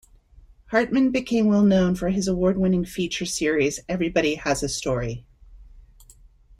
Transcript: Hartman became well known for his award-winning feature series, "Everybody Has a Story".